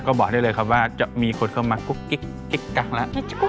ก็บอกได้เลยว่าจะมีคนเข้ามากุ๊กกิ๊กกั๊เอาละ